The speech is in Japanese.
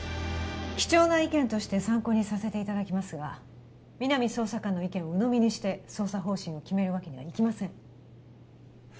貴重な意見として参考にさせていただきますが皆実捜査官の意見をうのみにして捜査方針を決めるわけにはいきません